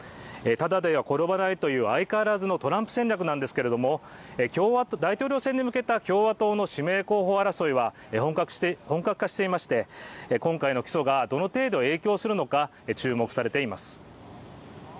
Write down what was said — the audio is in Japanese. ただでは転ばないという相変わらずのトランプ戦略なんですけれども共和党大統領選に向けた共和党の指名候補争いは絵本隠して本格化していまして今回の起訴がどの程度影響するのか注目されています